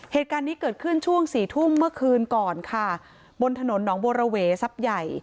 เหตุการณ์นี้เกิดขึ้นช่วงสี่ทุ่มเมื่อคืนก่อนค่ะบนถนนหนองบัวระเวทรัพย์ใหญ่